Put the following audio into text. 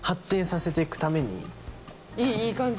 いい感じ。